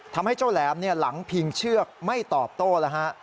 ทำให้เจ้าแหลมหลังพิงเชือกไม่ตอบโต้แล้วฮะ